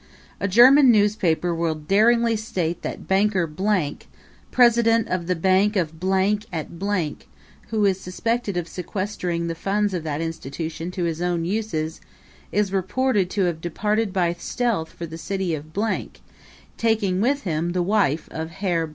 A German newspaper will daringly state that Banker , president of the Bank of at who is suspected of sequestering the funds of that institution to his own uses is reported to have departed by stealth for the city of , taking with him the wife of Herr